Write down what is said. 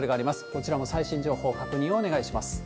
こちらも最新情報、確認をお願いします。